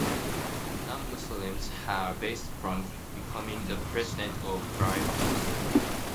Non-Muslims are barred from becoming the President or Prime Minister.